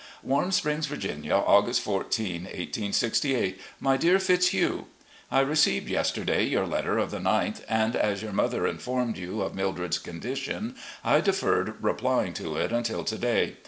''Warm Springs, Virginia, August 14, 1868. "My Dear Fitzhugh: I received, yesterday, your letter of the 9th, and, as your mother informed you of Mildred's condition, I deferred replying to it until to day.